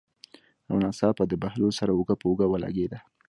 او ناڅاپه د بهلول سره اوږه په اوږه ولګېده.